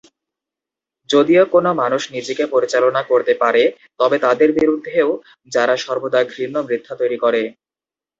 যদিও কোন মানুষ নিজেকে পরিচালনা করতে পারে তবে তাদের বিরুদ্ধেও যারা সর্বদা ঘৃণ্য মিথ্যা তৈরি করে।